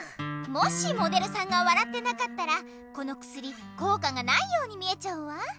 もしモデルさんが笑ってなかったらこのくすりこうかがないように見えちゃうわ。